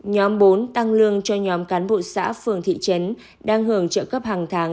nhóm bốn tăng lương cho nhóm cán bộ xã phường thị trấn đang hưởng trợ cấp hàng tháng